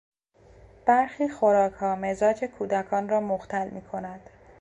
برخی خوراکها مزاج کودکان را مختل میکند.